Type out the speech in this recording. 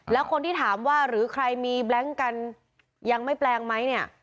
แล้วคนที่ถามว่าหรือใครมีแบล็งกันยังไม่แปลงไหมเนี่ย